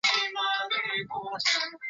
其主场为斯特伯恩希思公园体育场。